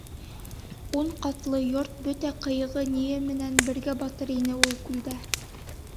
Ун ҡатлы йорт бөтә ҡыйығы-ние менән бергә батыр ине ул күлдә.